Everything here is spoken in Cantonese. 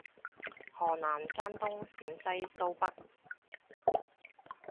河南山東陝西蘇北